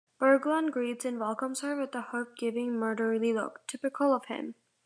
Berglund greets and welcomes her with a hope-giving murderly look, typical of him.